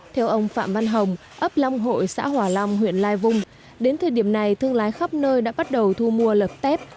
theo ông phạm văn hồng ấp long hội xã hòa long huyện lai vung đến thời điểm này thương lái khắp nơi đã bắt đầu thu mua lợp tép